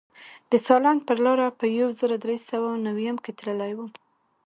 د سالنګ پر لاره په یو زر در سوه نویم کې تللی وم.